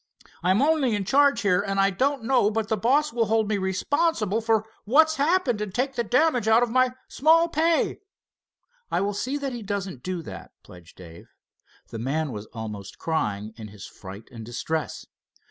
I'm only in charge here, and I don't know but the boss will hold me responsible for what's happened and take the damage out of my small pay." "I will see that he doesn't do that," pledged Dave. The man was almost crying in his fright and distress.